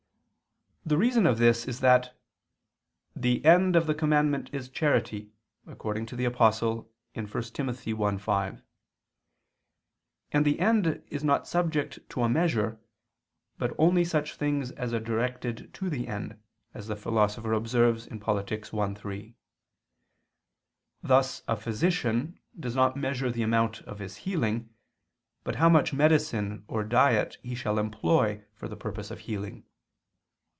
The reason of this is that "the end of the commandment is charity," according to the Apostle (1 Tim. 1:5); and the end is not subject to a measure, but only such things as are directed to the end, as the Philosopher observes (Polit. i, 3); thus a physician does not measure the amount of his healing, but how much medicine or diet he shall employ for the purpose of healing.